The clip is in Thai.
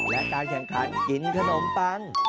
และการแข่งขันกินขนมปัง